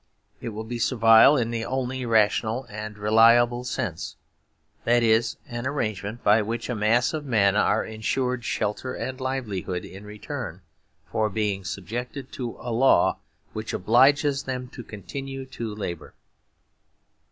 It will be servile in the only rational and reliable sense; that is, an arrangement by which a mass of men are ensured shelter and livelihood, in return for being subjected to a law which obliges them to continue to labour.